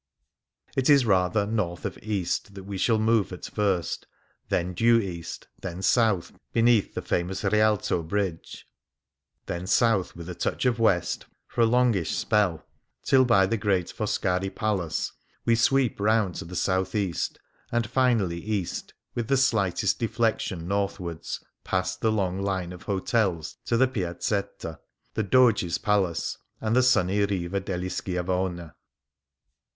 It is rather north of east that we shall move at first, then due east, then south beneath the famous Rialta Bridge, then south with a touch of west for a 31 Things Seen in Venice Jongish spell, till by the great Foscari Palace we sweep round to the south east and finally, east, with the slightest deflection northwards past the long line of hotels, to the Piazzetta, the Doge's Palace, and the sunny Riva degli Schia vona.